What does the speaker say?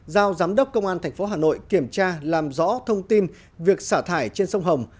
giao giám đốc công an tp hà nội kiểm tra làm rõ thông tin việc xả thải trên sông hồng